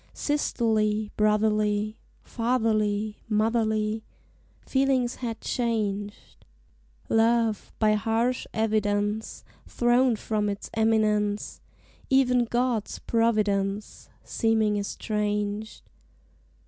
Sisterly, brotherly, Fatherly, motherly Feelings had changed, Love, by harsh evidence, Thrown from its eminence; Even God's providence Seeming estranged.